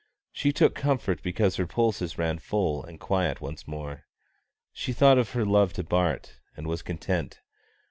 She took comfort because her pulses ran full and quiet once more. She thought of her love to Bart, and was content.